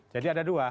jadi ada dua